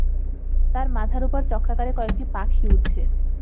তার মাথার উপর চক্রাকারে কয়েকটি পাখি উড়ছে।